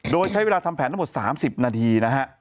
โดยใช้เวลาทำแผนทั้งหมด๓๐นาทีนะฮะ